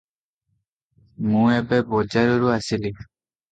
ମୁଁ ଏବେ ବଜାର ରୁ ଆସିଲି